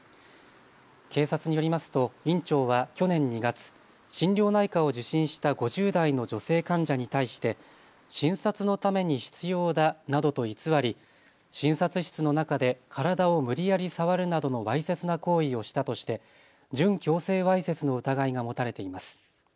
警察によりますと院長は去年２月、心療内科を受診した５０代の女性患者に対して診察のために必要だなどと偽り診察室の中で体を無理やり触るなどのわいせつな行為をしたとして準強制わいせつの疑いが持たれています。